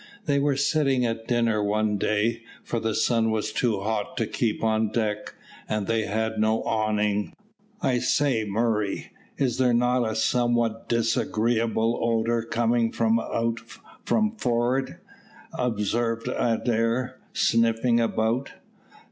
They were sitting at dinner one day, for the sun was too hot to keep on deck, and they had no awning. "I say, Murray, is there not a somewhat disagreeable odour coming out from forward?" observed Adair, sniffing about.